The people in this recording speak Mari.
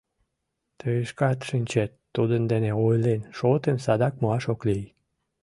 Тый шкат шинчет, тудын дене ойлен, шотым садак муаш ок лий.